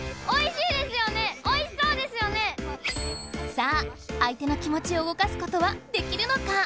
さあ相手の気持ちを動かすことはできるのか？